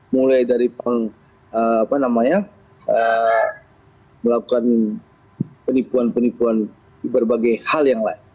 mulai dari melakukan penipuan penipuan berbagai hal yang lain